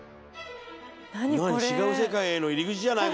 違う世界への入り口じゃない？